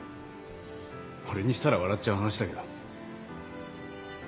俺にしたら笑っちゃう話だけど。